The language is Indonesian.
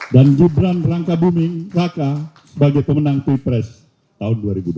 dan gibran rangkabuming raka sebagai pemenang pilpres tahun dua ribu dua puluh empat